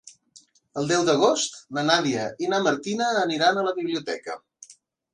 El deu d'agost na Nàdia i na Martina aniran a la biblioteca.